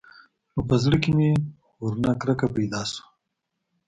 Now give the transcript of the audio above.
نو په زړه کښې مې ورنه کرکه پيدا سوه.